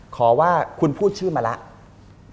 ขอว่าคุณพูดชื่อมาแล้ว